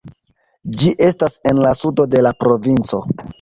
Ĝi estas en la sudo de la provinco.